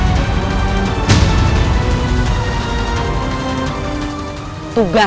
saya jafar sendiri yang memberikan aku amanahnya